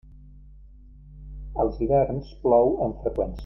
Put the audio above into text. Als hiverns plou amb freqüència.